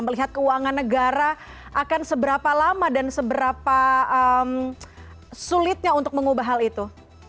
melihat keuangan negara akan seberapa lama dan seberapa sulitnya untuk mengubah hal itu